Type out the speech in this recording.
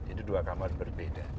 jadi dua kamar berbeda